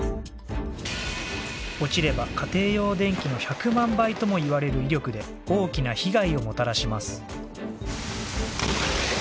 落ちれば家庭用電気の１００万倍ともいわれる威力で大きな被害をもたらします。